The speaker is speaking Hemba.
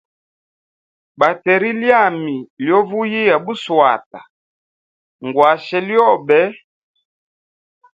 Bateri lyami lyo vuyia buswata, ngwashe lyobe.